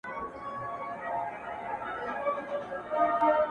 • تاسي ځئ ما مي قسمت ته ځان سپارلی ,